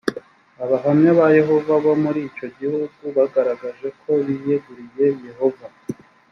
abahamya ba yehova bo muri icyo gihugu bagaragaje ko biyeguriye yehova